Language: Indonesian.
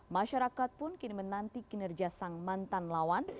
masyarakat pun kini menanti kinerja sang mantan lawan